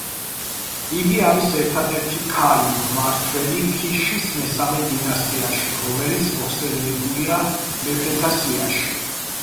იგი არის ერთადერთი ქალი მმართველი ქიშის მესამე დინასტიაში, რომელიც მოხსენებულია მეფეთა სიაში.